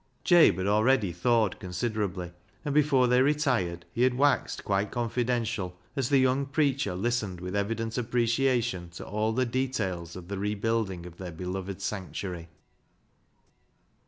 Jabe had already thawed considerably, and before they retired he had waxed quite confiden tial, as the young preacher listened with evident appreciation to all the details of the rebuilding of their beloved sanctuary.